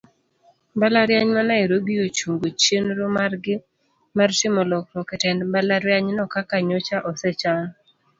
Mbalariany ma nairobi ochungo chienro margi mar timo lokruok etend mbalarianyno kaka nyocha osechan.